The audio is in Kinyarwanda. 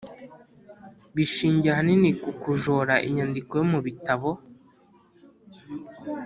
bishingiye ahanini ku kujora inyandiko yo mu bitabo